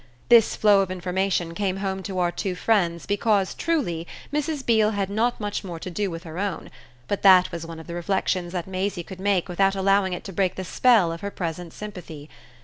This flow of information came home to our two friends because, truly, Mrs. Beale had not much more to do with her own; but that was one of the reflexions that Maisie could make without allowing it to break the spell of her present sympathy.